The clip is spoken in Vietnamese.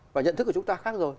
và nhận thức của chúng ta khác rồi